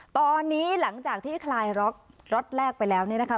ตอนนี้หลังจากที่คลายล็อกล็อตแรกไปแล้วเนี่ยนะคะ